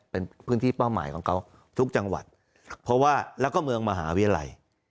เป็นพื้นที่เป้าหมายของเขาทุกจังหวัดเพราะว่าแล้วก็เมืองมหาวิทยาลัย